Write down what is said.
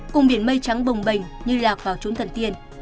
cùng biển mây trắng bồng bềnh như lạc vào trốn thần tiên